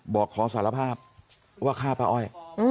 บอกขอสารภาพว่าฆ่าป้าอ้อย